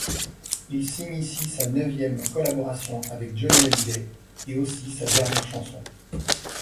Il signe ici sa neuvième collaboration avec Johnny Hallyday et aussi sa dernière chanson.